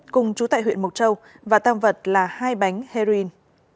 cùng chú tại huyện mộc châu và tam vật là hai bánh heroin